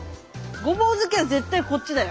ごぼう好きは絶対こっちだよ。